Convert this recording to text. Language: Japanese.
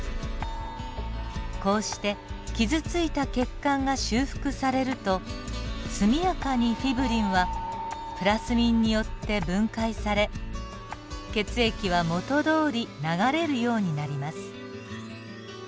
こうして傷ついた血管が修復されると速やかにフィブリンはプラスミンによって分解され血液は元どおり流れるようになります。